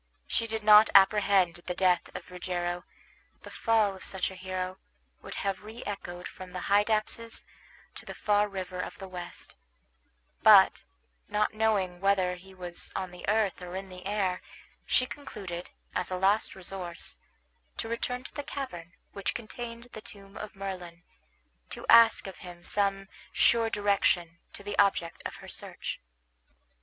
She did not apprehend the death of Rogero. The fall of such a hero would have reechoed from the Hydaspes to the farthest river of the West; but, not knowing whether he was on the earth or in the air, she concluded, as a last resource, to return to the cavern which contained the tomb of Merlin, to ask of him some sure direction to the object of her search.